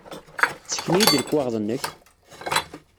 Ssken-iyi-d lekwaɣeḍ-nnek!